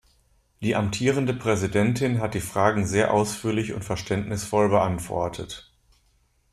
Die amtierende Präsidentin hat die Fragen sehr ausführlich und verständnisvoll beantwortet.